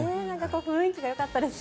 雰囲気がよかったですね。